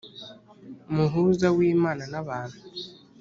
muhuza w Imana n abantu